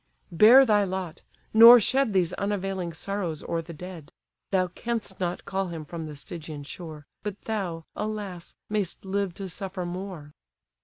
Bear thy lot, nor shed These unavailing sorrows o'er the dead; Thou canst not call him from the Stygian shore, But thou, alas! may'st live to suffer more!"